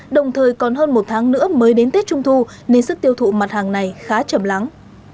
đồng thời còn hơn một tháng nữa mới đến tết trung thu nên sức tiêu thụ mặt hàng này khá chầm lắng